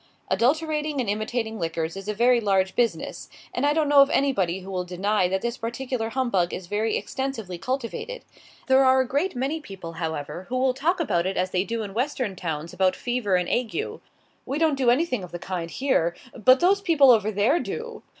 Adulterating and imitating liquors is a very large business; and I don't know of anybody who will deny that this particular humbug is very extensively cultivated. There are a great many people, however, who will talk about it as they do in Western towns about fever and ague: "We don't do anything of the kind here, but those other people over there do!"